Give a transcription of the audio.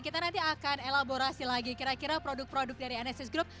kita nanti akan elaborasi lagi kira kira produk produk dari anesthes group